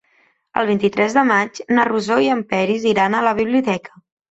El vint-i-tres de maig na Rosó i en Peris iran a la biblioteca.